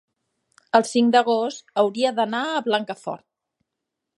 el cinc d'agost hauria d'anar a Blancafort.